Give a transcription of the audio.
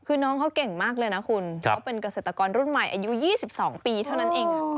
คือน้องเขาเก่งมากเลยนะคุณเขาเป็นเกษตรกรรุ่นใหม่อายุ๒๒ปีเท่านั้นเอง